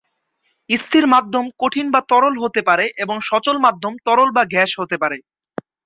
স্থির মাধ্যম কঠিন বা তরল হতে পারে এবং সচল মাধ্যম তরল বা গ্যাস হতে পারে।